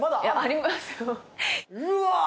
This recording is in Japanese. うわ！